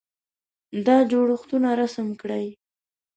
دا جوړښتونه رسم کړئ.